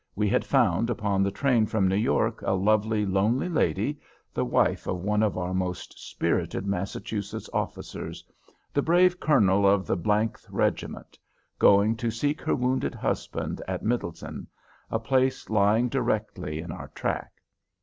We had found upon the train from New York a lovely, lonely lady, the wife of one of our most spirited Massachusetts officers, the brave Colonel of the __th Regiment, going to seek her wounded husband at Middletown, a place lying directly in our track.